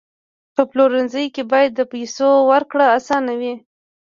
په پلورنځي کې باید د پیسو ورکړه اسانه وي.